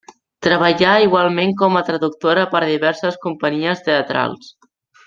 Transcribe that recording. Treballà igualment com a traductora per a diverses companyies teatrals.